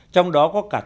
trong đó có cả tất cả